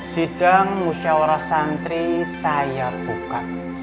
sidang musyawarah santri saya buka